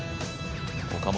岡本